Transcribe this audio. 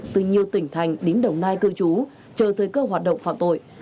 từ nhiều tỉnh thành đến đồng nai cư trú chờ thời cơ hoạt động phạm tội